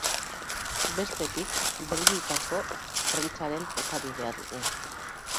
Bestetik, Belgikako prentsaren jokabidea dugu.